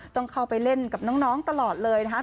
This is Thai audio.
ต้องเข้าไปเล่นกับน้องตลอดเลยนะครับ